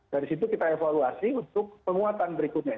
dari situ kita evaluasi untuk penguatan berikutnya